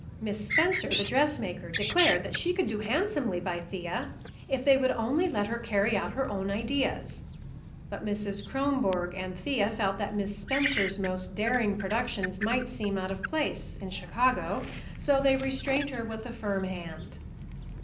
Miss Spencer, the dressmaker, declared that she could do handsomely by Thea if they would only let her carry out her own ideas. But Mrs. Kronborg and Thea felt that Miss Spencer's most daring productions might seem out of place in Chicago, so they restrained her with a firm hand.